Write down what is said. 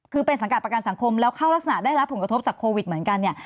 คือเป็นสังกัดประกันสังคมแล้วเข้ารักษณะได้รับผลกระทบจากโควิดเหมือนกันเนี่ย